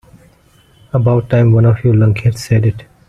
About time one of you lunkheads said it.